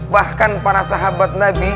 bahkan para sahabat nabi